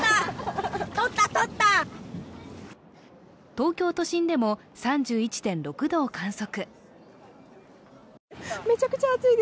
東京都心でも３１．６度を観測。